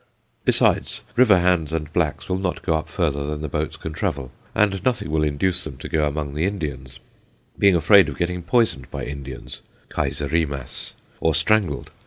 Besides, river hands and blacks will not go further than the boats can travel, and nothing will induce them to go among the Indians, being afraid of getting poisoned by Inds. (Kaiserimas) or strangled.